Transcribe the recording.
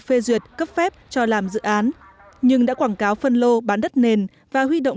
phê duyệt cấp phép cho làm dự án nhưng đã quảng cáo phân lô bán đất nền và huy động